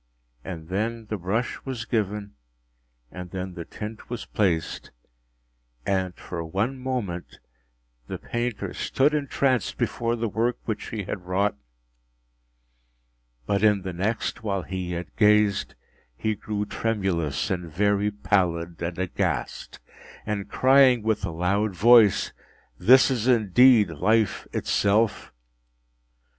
And then the brush was given, and then the tint was placed; and, for one moment, the painter stood entranced before the work which he had wrought; but in the next, while he yet gazed, he grew tremulous and very pallid, and aghast, and crying with a loud voice, ‘This is indeed Life itself!